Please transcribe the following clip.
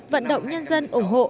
vận động nhân dân ủng hộ